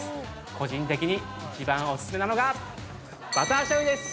個人的に一番おすすめなのが、バター醤油です。